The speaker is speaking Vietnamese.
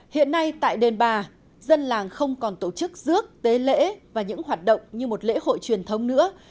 hiện nay tại đền bà dân làng không còn tổ chức rước tế lễ và những hoạt động như một lễ hội truyền thống nữa